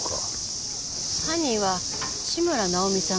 犯人は志村尚美さん